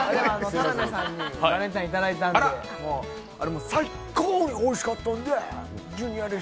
田辺さんにバレンタインいただいたので、最高においしかったんで。